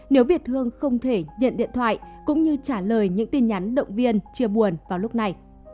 nếu việt hương không thể nhận điện thoại cũng như trả lời những tin nhắn động viên chia buồn vào lúc này